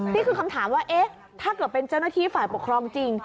นี่คือคำถามว่าเอ๊ะถ้าเกิดเป็นเจ้าหน้าที่ฝ่ายปกครองจริง